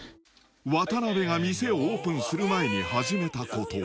渡邉が店をオープンする前に始めたこと！